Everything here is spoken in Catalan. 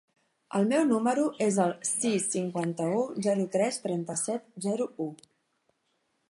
El meu número es el sis, cinquanta-u, zero, tres, trenta-set, zero, u.